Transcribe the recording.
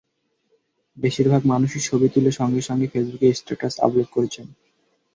বেশির ভাগ মানুষই ছবি তুলে সঙ্গে সঙ্গে ফেসবুকে স্ট্যাটাস আপলোড করছেন।